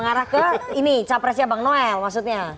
mengarah ke ini capresnya bang noel maksudnya